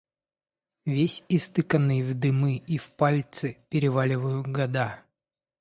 Весь истыканный в дымы и в пальцы, переваливаю года.